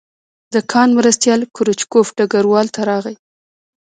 د کان مرستیال کروچکوف ډګروال ته راغی